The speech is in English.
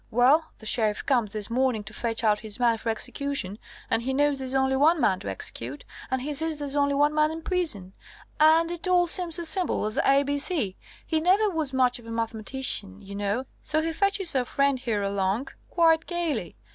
Well, the Sheriff comes this morning to fetch out his man for execution, and he knows there's only one man to execute, and he sees there's only one man in prison, and it all seems as simple as A B C he never was much of a mathematician, you know so he fetches our friend here along, quite gaily.